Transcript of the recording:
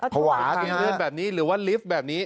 ภาวะกินเลือดแบบนี้หรือว่าลิฟต์แบบนี้